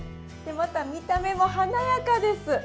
でまた見た目も華やかです。